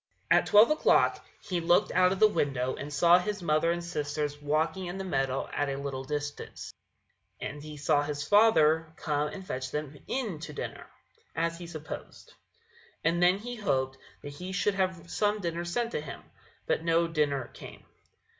At twelve o'clock he looked out of the window and saw his mother and sisters walking in the meadows at a little distance, and he saw his father come and fetch them in to dinner, as he supposed; and then he hoped that he should have some dinner sent him; but no dinner came.